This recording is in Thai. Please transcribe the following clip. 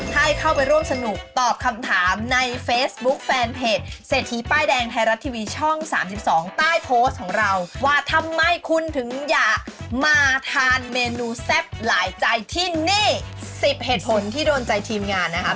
ให้เข้าไปร่วมสนุกตอบคำถามในเฟซบุ๊คแฟนเพจเศรษฐีป้ายแดงไทยรัฐทีวีช่อง๓๒ใต้โพสต์ของเราว่าทำไมคุณถึงอยากมาทานเมนูแซ่บหลายใจที่นี่๑๐เหตุผลที่โดนใจทีมงานนะครับ